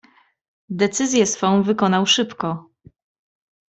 "Decyzję swą wykonał szybko."